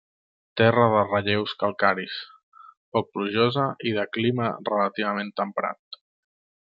Terra de relleus calcaris, poc plujosa i de clima relativament temperat.